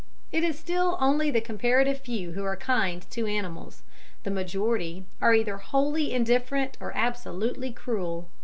It is still only the comparative few who are kind to animals the majority are either wholly indifferent or absolutely cruel.